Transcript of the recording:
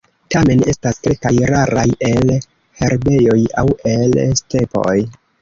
Tamen estas kelkaj raraj el herbejoj aŭ el stepoj.